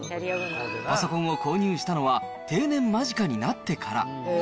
パソコンを購入したのは、定年間近になってから。